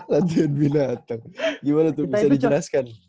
latihan binatang gimana tuh bisa dijelaskan